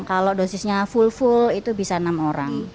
kalau dosisnya full full itu bisa enam orang